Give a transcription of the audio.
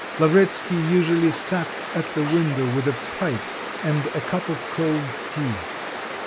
Lavretsky usually sat at the window with a pipe and a cup of cold tea.